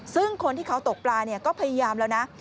ซึ่งคนที่เขาตกปลาก็พยายามแล้วนะ